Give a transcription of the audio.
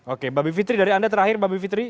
oke bapak fitri dari anda terakhir bapak fitri